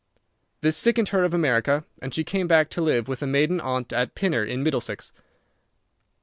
This sickened her of America, and she came back to live with a maiden aunt at Pinner, in Middlesex.